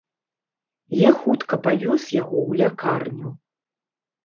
Я хутка павёз яго ў лякарню.